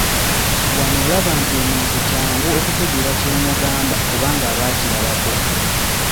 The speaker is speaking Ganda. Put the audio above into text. Wano olaba nti omuntu kyangu okutegeera ky’omugamba kubanga aba akirabako.